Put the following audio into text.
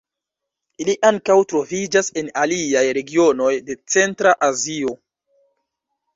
Ili ankaŭ troviĝas en aliaj regionoj de Centra Azio.